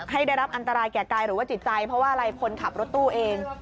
ได้รับอันตรายแก่กายหรือว่าจิตใจเพราะว่าอะไรคนขับรถตู้เอง